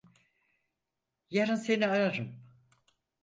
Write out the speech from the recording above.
Yarın seni ararım.